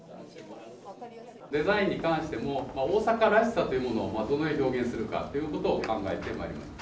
デザインに関しても、大阪らしさというものをどのように表現するかということを考えてまいりました。